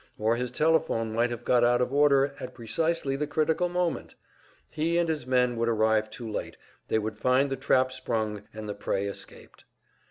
Or his telephone might have got out of order at precisely the critical moment! He and his men would arrive too late, they would find the trap sprung, and the prey escaped.